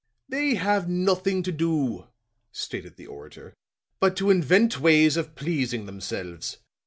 "They have nothing to do," stated the orator, "but to invent ways of pleasing themselves.